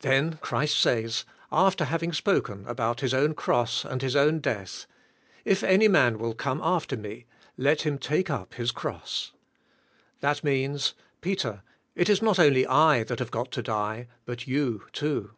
Then Christ says, after having spoken about Plis own cross and His own death, "If any man will come after me, let him take up his cross." That means '' Peter, it is not only I that have g ot to die, but you, too.